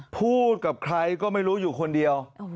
พูดกับใครก็ไม่รู้อยู่คนเดียว